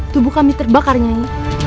tubuh kami terbakar nyai